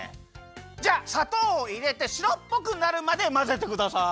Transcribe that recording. じゃあさとうをいれてしろっぽくなるまでまぜてください。